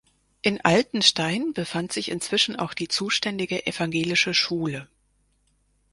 In Altenstein befand sich inzwischen auch die zuständige evangelische Schule.